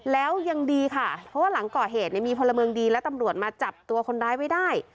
แล้วยังดีค่ะเพราะว่าหลังก่อเหตุมีพลเมืองดีและตำรวจมาจับตัวคนร้ายไว้ได้